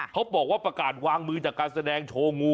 เขาบอกว่าประกาศวางมือจากการแสดงโชว์งู